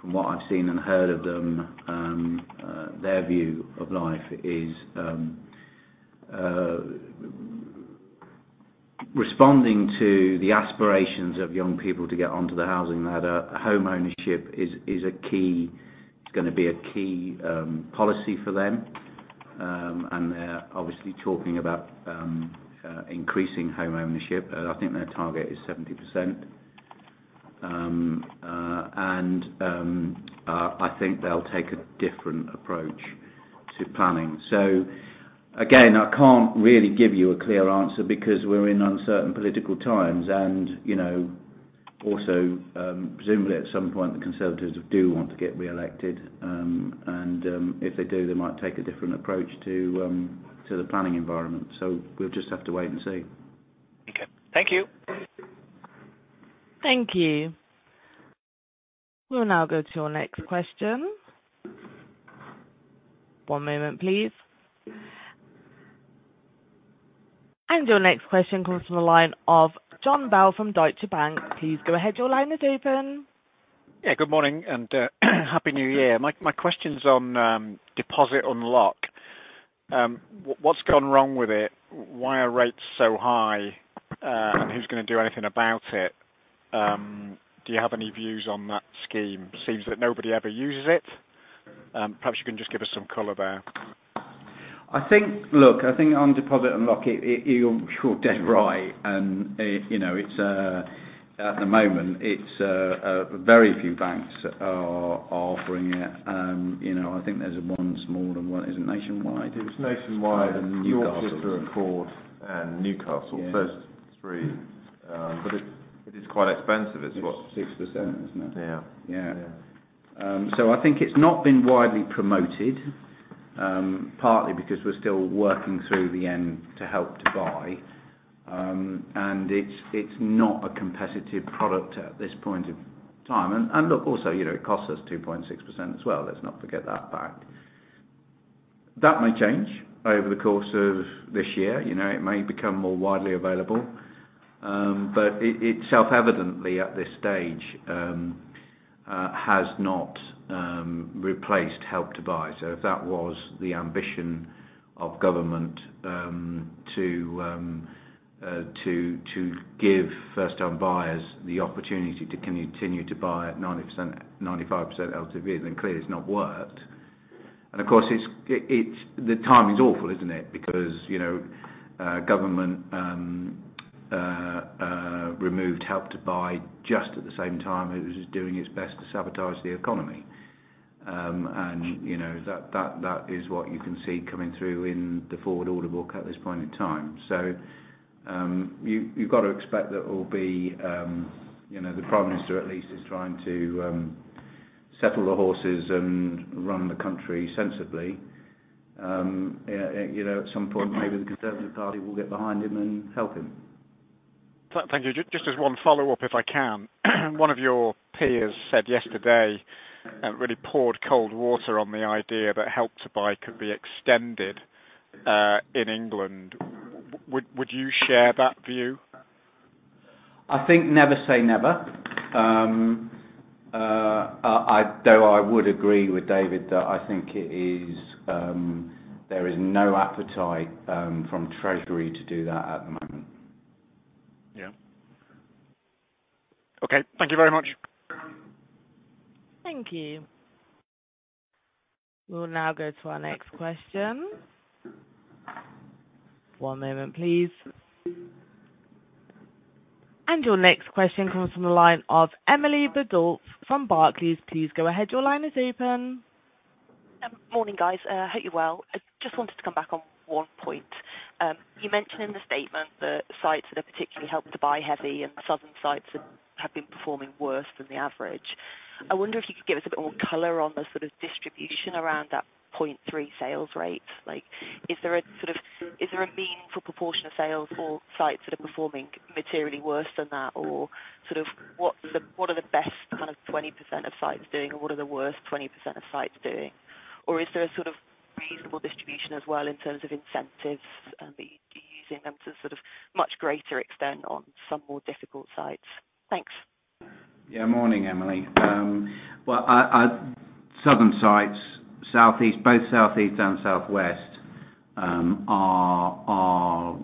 from what I've seen and heard of them, their view of life is responding to the aspirations of young people to get onto the housing ladder. Homeownership is a key, is gonna be a key policy for them. They're obviously talking about increasing homeownership. I think their target is 70%. I think they'll take a different approach to planning. So again, I can't really give you a clear answer because we're in uncertain political times and also, presumably at some point, the Conservatives do want to get reelected. If they do, they might take a different approach to the planning environment. So we'll just have to wait and see. Okay. Thank you. Thank you. We'll now go to our next question. One moment, please. Your next question comes from the line of Jon Bell from Deutsche Bank. Please go ahead. Your line is open. Yeah, good morning and happy New Year. My question's on Deposit Unlock. What's gone wrong with it? Why are rates so high? Who's gonna do anything about it? Do you have any views on that scheme? Seems that nobody ever uses it. Perhaps you can just give us some color there. I think, look, I think on Deposit Unlock, you're dead right., it's at the moment, it's very few banks are offering it., I think there's one small and one. Is it Nationwide? It's Nationwide... Newcastle. Yorkshire and Court and Newcastle. Yeah. First 3. It is quite expensive. It's, what? 6%, isn't it? Yeah. Yeah. Yeah. I think it's not been widely promoted, partly because we're still working through the end to Help to Buy. It's, it's not a competitive product at this point of time. Look also it costs us 2.6% as well. Let's not forget that fact. That may change over the course of this year., it may become more widely available. It, it self-evidently at this stage has not replaced Help to Buy. If that was the ambition of government to give first-time buyers the opportunity to continue to buy at 90%, 95% LTV, then clearly it's not worked. Of course, the timing is awful, isn't it? because government removed Help to Buy just at the same time it was doing its best to sabotage the economy., that is what you can see coming through in the forward order book at this point in time. You've got to expect that it'll be the Prime Minister at least is trying to settle the horses and run the country sensibly., at some point maybe the Conservative Party will get behind him and help him. Thank you. Just as one follow-up, if I can. One of your peers said yesterday, really poured cold water on the idea that Help to Buy could be extended in England. Would you share that view? I think never say never. Though I would agree with David that I think it is, there is no appetite from Treasury to do that at the moment. Yeah. Okay. Thank you very much. Thank you. We'll now go to our next question. One moment, please. Your next question comes from the line of Emily Biddulph from Barclays. Please go ahead. Your line is open. Morning, guys. Hope you're well. I just wanted to come back on one point. You mentioned in the statement that sites that are particularly Help to Buy heavy and southern sites have been performing worse than the average. I wonder if you could give us a bit more color on the sort of distribution around that 0.3 sales rate. Is there a meaningful proportion of sales or sites that are performing materially worse than that? What are the best kind of 20% of sites doing or what are the worst 20% of sites doing? Is there a sort of reasonable distribution as well in terms of incentives, are you using them to sort of much greater extent on some more difficult sites? Thanks. Yeah. Morning, Emily. Well, southern sites, southeast, both southeast and southwest, are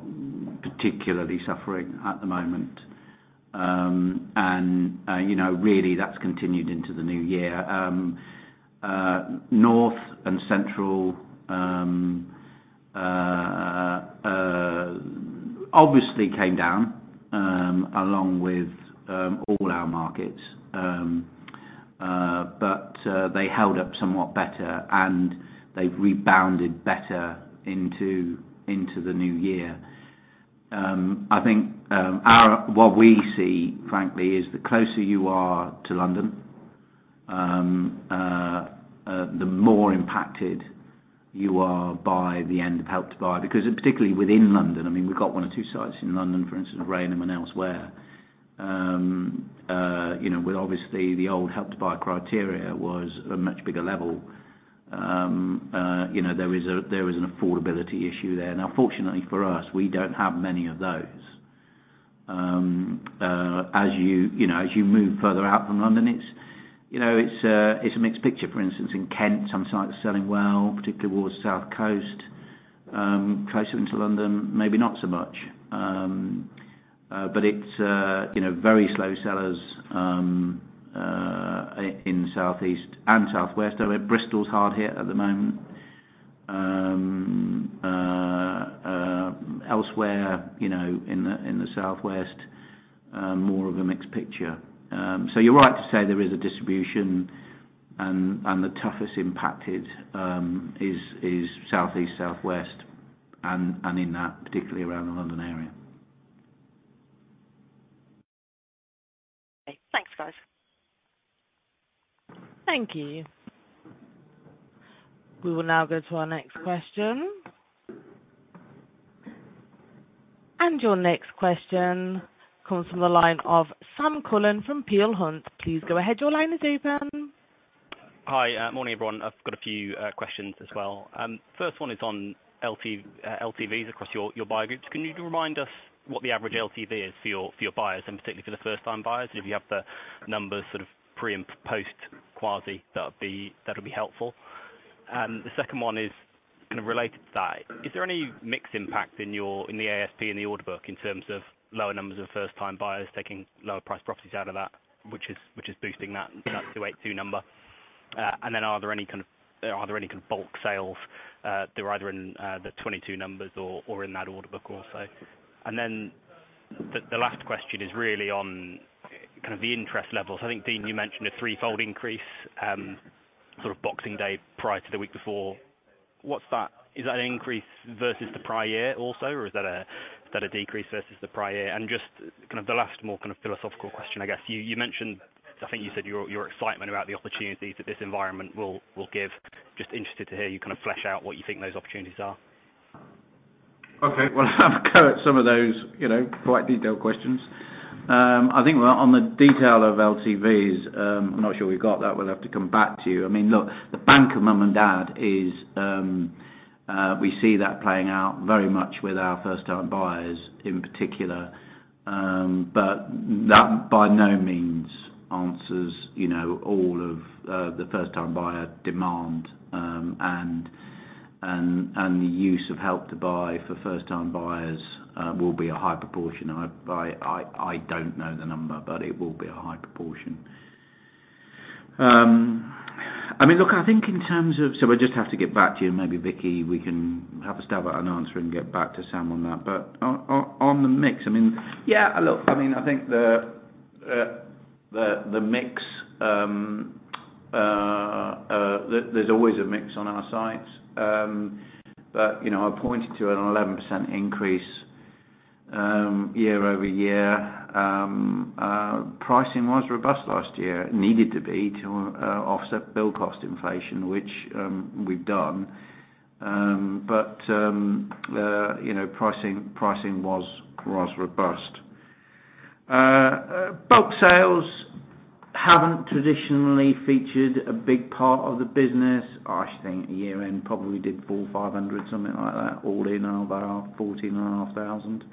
particularly suffering at the moment., really that's continued into the new year. North and central obviously came down along with all our markets. They held up somewhat better, and they've rebounded better into the new year. I think what we see, frankly, is the closer you are to London, the more impacted you are by the end of Help to Buy. Particularly within London, I mean, we've got one or two sites in London, for instance, Rainham and elsewhere with obviously the old Help to Buy criteria was a much bigger level., there is an affordability issue there. Fortunately for us, we don't have many of those. As, as you move further out from London, it's a mixed picture, for instance, in Kent, some sites are selling well, particularly towards South Coast. Closer into London, maybe not so much. it's very slow sellers in southeast and southwest. I know Bristol's hard hit at the moment. elsewhere in the southwest, more of a mixed picture. You're right to say there is a distribution and the toughest impacted is southeast, southwest, and in that, particularly around the London area. Okay. Thanks, guys. Thank you. We will now go to our next question. Your next question comes from the line of Sam Cullen from Peel Hunt. Please go ahead. Your line is open. Hi. Morning, everyone. I've got a few questions as well. First one is on LTVs across your buyer groups. Can you remind us what the average LTV is for your buyers and particularly for the first-time buyers? If you have the numbers sort of pre and post-quasi, that would be helpful. The second one is kind of related to that. Is there any mix impact in the ASP in the order book in terms of lower numbers of first-time buyers taking lower priced properties out of that, which is boosting that 282 number? Are there any kind of bulk sales that are either in the 2022 numbers or in that order book also? The last question is really on kind of the interest levels. I think, Dean, you mentioned a 3-fold increase, sort of Boxing Day prior to the week before. What's that? Is that an increase versus the prior year also, or is that a decrease versus the prior year? Just kind of the last more kind of philosophical question, I guess. You mentioned, I think you said your excitement about the opportunities that this environment will give. Just interested to hear you kind of flesh out what you think those opportunities are. Okay. Well, I'll have a go at some of those quite detailed questions. I think On the detail of LTVs, I'm not sure we've got that. We'll have to come back to you. I mean, look, the bank of mom and dad is, we see that playing out very much with our first-time buyers in particular. That by no means answers all of the first-time buyer demand. The use of Help to Buy for first-time buyers will be a high proportion. I don't know the number, but it will be a high proportion. I mean, look, I think I just have to get back to you and maybe Vicky, we can have a stab at an answer and get back to Sam on that. On the mix, I mean, yeah, look, I mean, I think the mix, there's always a mix on our sites. , I pointed to an 11% increase year-over-year. Pricing was robust last year. It needed to be to offset build cost inflation, which we've done., pricing was robust. Bulk sales haven't traditionally featured a big part of the business. I should think year-end probably did 400-500, something like that, all in about 14,500,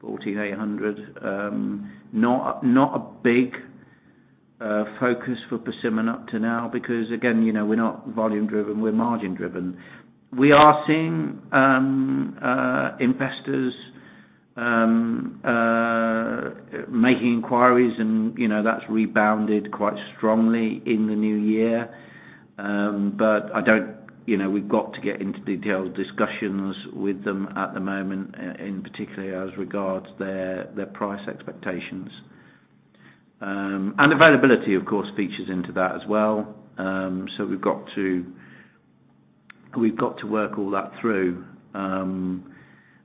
14,800. Not a big focus for Persimmon up to now because again we're not volume driven, we're margin driven. We are seeing investors making inquiries and that's rebounded quite strongly in the new year., we've got to get into detailed discussions with them at the moment, in particular as regards their price expectations. Availability, of course, features into that as well. We've got to work all that through.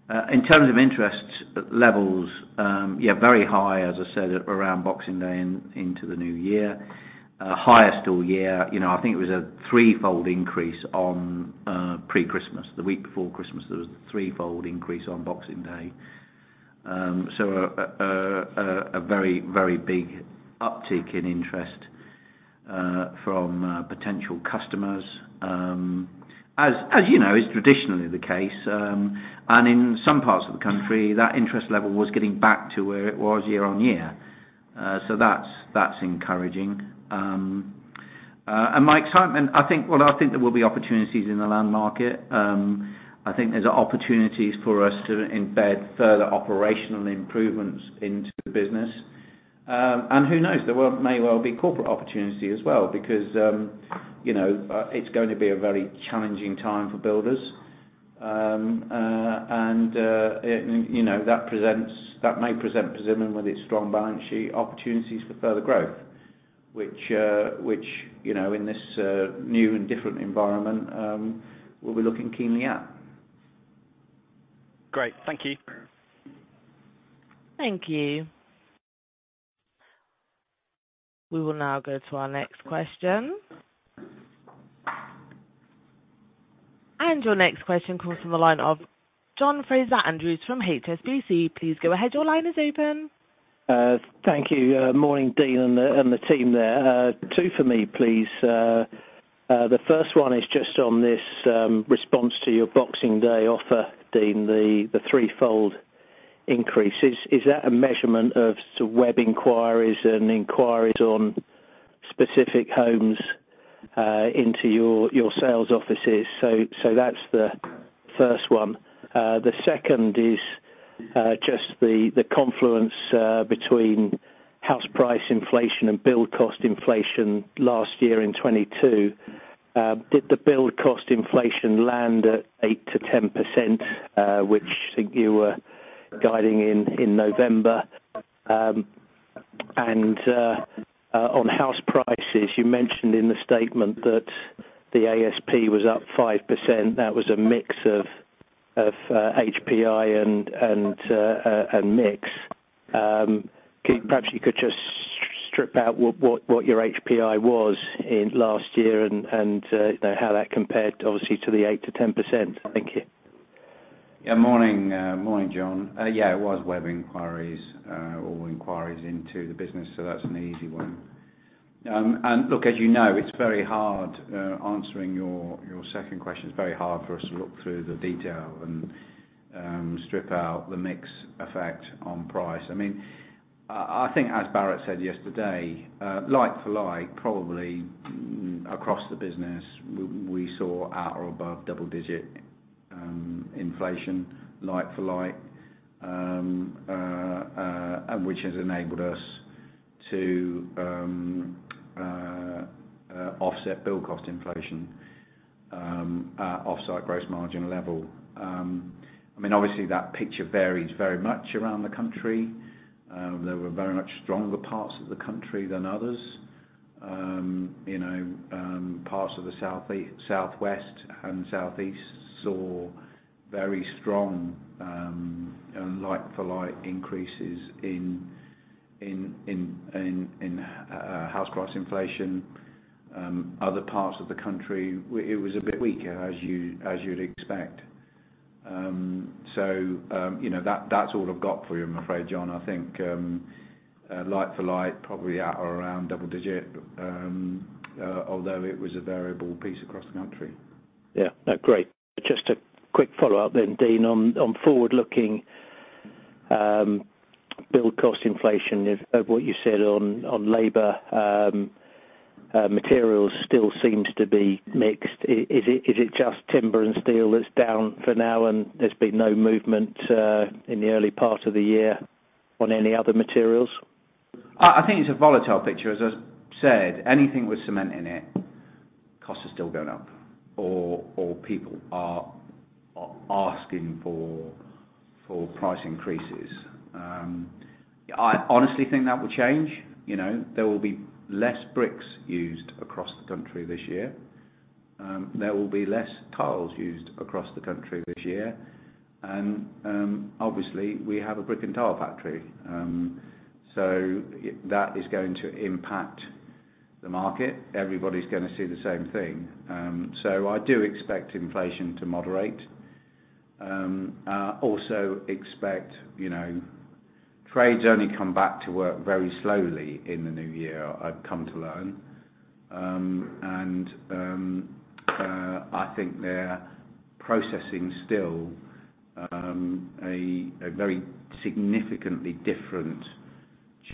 In terms of interest levels, yeah, very high, as I said, around Boxing Day and into the new year. Highest all year., I think it was a threefold increase on pre-Christmas. The week before Christmas, there was a threefold increase on Boxing Day. A very, very big uptick in interest from potential customers. As, is traditionally the case, in some parts of the country, that interest level was getting back to where it was year-on-year. That's, that's encouraging. My excitement, well, I think there will be opportunities in the land market. I think there's opportunities for us to embed further operational improvements into the business. Who knows? There may well be corporate opportunity as well because it's going to be a very challenging time for builders. it that may present Persimmon with its strong balance sheet opportunities for further growth, which in this, new and different environment, we'll be looking keenly at. Great. Thank you. Thank you. We will now go to our next question. Your next question comes from the line of John Fraser-Andrews from HSBC. Please go ahead. Your line is open. Thank you. Morning, Dean and the team there. two for me, please. The first one is just on this response to your Boxing Day offer, Dean, the threefold increase. Is that a measurement of sort of web inquiries and inquiries on specific homes into your sales offices? That's the first one. The second is just the confluence between house price inflation and build cost inflation last year in 2022. Did the build cost inflation land at 8%-10%, which I think you were guiding in November? On house prices, you mentioned in the statement that the ASP was up 5%. That was a mix of HPI and mix. Perhaps you could just strip out what your HPI was in last year and how that compared, obviously, to the 8%-10%. Thank you. Yeah, morning. Morning, John. Yeah, it was web inquiries, or inquiries into the business, so that's an easy one. Look, as, it's very hard, answering your second question. It's very hard for us to look through the detail and strip out the mix effect on price. I mean, I think as Barratt said yesterday, like for like, probably across the business, we saw at or above double digit inflation, like for like. Which has enabled us to offset build cost inflation, off-site gross margin level. I mean, obviously that picture varies very much around the country. There were very much stronger parts of the country than others., parts of the southwest and southeast saw very strong like for like increases in house price inflation. Other parts of the country, it was a bit weaker as you, as you'd expect., that's all I've got for you, I'm afraid, John. I think like for like, probably at or around double digit, although it was a variable piece across the country. Yeah. No, great. Just a quick follow-up then, Dean. On forward looking build cost inflation of what you said on labor, materials still seems to be mixed. Is it just timber and steel that's down for now and there's been no movement in the early part of the year on any other materials? I think it's a volatile picture. As I said, anything with cement in it, costs are still going up or people are asking for price increases. I honestly think that will change., there will be less bricks used across the country this year. There will be less tiles used across the country this year. Obviously we have a brick and tile factory. So that is going to impact the market. Everybody's gonna see the same thing. So I do expect inflation to moderate. Also expect trades only come back to work very slowly in the new year, I've come to learn. And I think they're processing still a very significantly different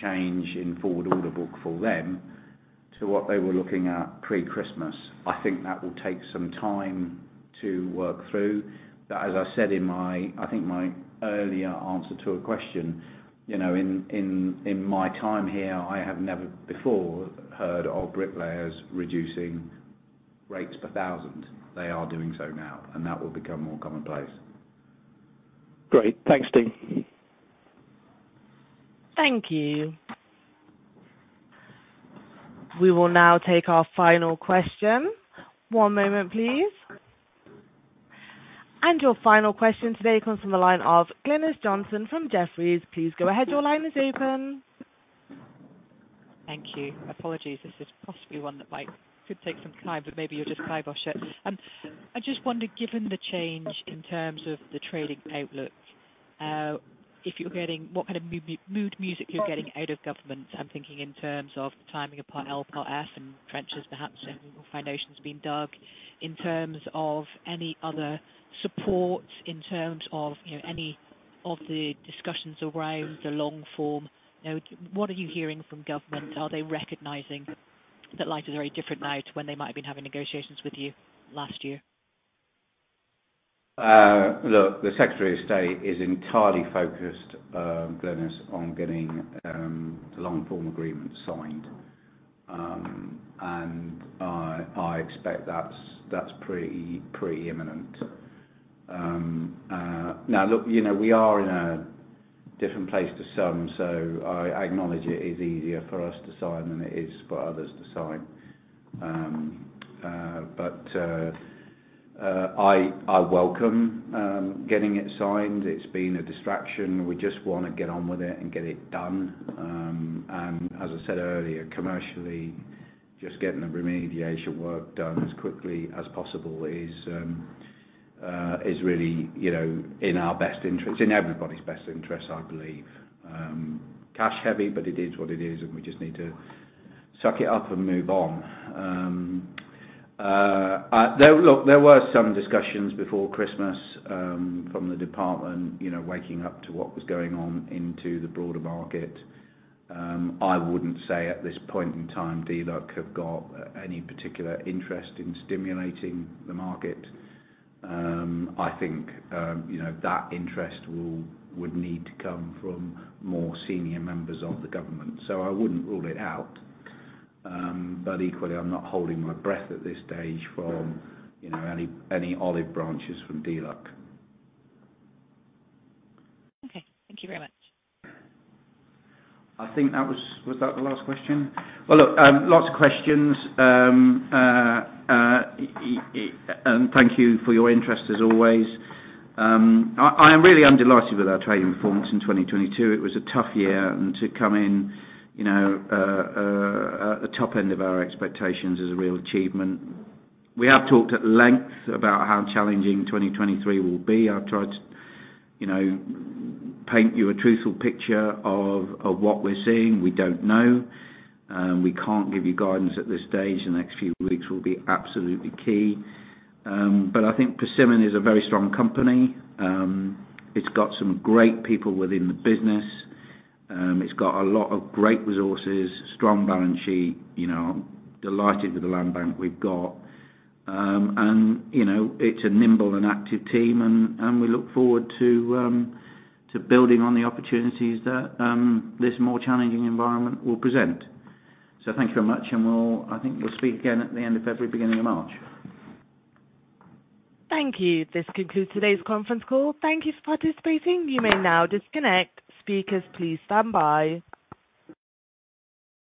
change in forward order book for them to what they were looking at pre-Christmas. I think that will take some time to work through. As I said in my, I think my earlier answer to a question in my time here, I have never before heard of bricklayers reducing rates per 1,000. They are doing so now, and that will become more commonplace. Great. Thanks, Steve. Thank you. We will now take our final question. One moment, please. Your final question today comes from the line of Glynis Johnson from Jefferies. Please go ahead. Your line is open. Thank you. Apologies, this is possibly one that might, could take some time, but maybe you'll just sidebar share. I just wonder, given the change in terms of the trading outlook, if you're getting what kind of mood music you're getting out of government. I'm thinking in terms of timing of Part L, Part F, and trenches, perhaps, and foundations being dug. In terms of any other support, in terms of any of the discussions around the Long form what are you hearing from government? Are they recognizing that life is very different now to when they might have been having negotiations with you last year? Look, the Secretary of State is entirely focused, Glynis, on getting the Long Form Agreement signed. I expect that's pretty imminent. look we are in a different place to some, I acknowledge it is easier for us to sign than it is for others to sign. I welcome getting it signed. It's been a distraction. We just wanna get on with it and get it done. As I said earlier, commercially, just getting the remediation work done as quickly as possible is really in our best interest, in everybody's best interest, I believe. Cash heavy, it is what it is, we just need to suck it up and move on. Look, there were some discussions before Christmas, from the department waking up to what was going on into the broader market. I wouldn't say at this point in time, DLUHC have got any particular interest in stimulating the market. I think that interest will, would need to come from more senior members of the government. I wouldn't rule it out, equally, I'm not holding my breath at this stage from any olive branches from DLUHC. Okay. Thank you very much. I think that was. Was that the last question? Look, lots of questions. Thank you for your interest as always. I am delighted with our trading performance in 2022. It was a tough year, to come in at the top end of our expectations is a real achievement. We have talked at length about how challenging 2023 will be. I've tried to paint you a truthful picture of what we're seeing. We don't know. We can't give you guidance at this stage. The next few weeks will be absolutely key. I think Persimmon is a very strong company. It's got some great people within the business. It's got a lot of great resources, strong balance sheet., I'm delighted with the land bank we've got., it's a nimble and active team and we look forward to building on the opportunities that this more challenging environment will present. Thank you very much, and I think we'll speak again at the end of February, beginning of March. Thank you. This concludes today's conference call. Thank you for participating. You may now disconnect. Speakers, please stand by.